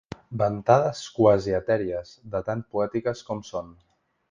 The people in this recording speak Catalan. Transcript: Ventades quasi etèries, de tan poètiques com són.